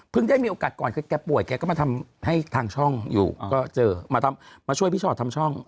ได้มีโอกาสก่อนคือแกป่วยแกก็มาทำให้ทางช่องอยู่ก็เจอมาช่วยพี่ชอตทำช่อง